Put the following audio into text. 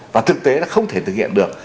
và thực tế nó không thể thực hiện được